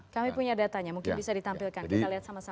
kami punya datanya mungkin bisa ditampilkan kita lihat sama sama